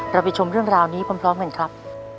ไปชมเรื่องราวนี้พร้อมกันครับ